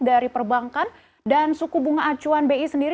dari perbankan dan suku bunga acuan bi sendiri